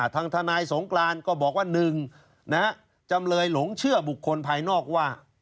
ทางทนายสงกรานก็บอกว่า๑จำเลยหลงเชื่อบุคคลภายนอกว่า